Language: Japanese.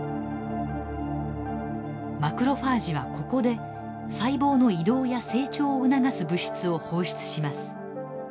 マクロファージはここで細胞の移動や成長を促す物質を放出します。